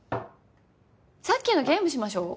さっきのゲームしましょう。